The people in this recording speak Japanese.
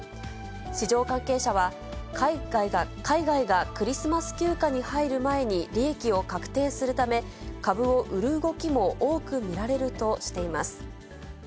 市場関係者は、海外がクリスマス休暇に入る前に、利益を確定するため、株を売る動きも多く見られるとしています。